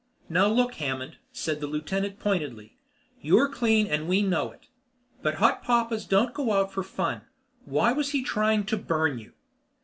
"Now look, Hammond," said the lieutenant pointedly, "You're clean and we know it. But hot papas don't go out for fun. Why was he trying to burn you?"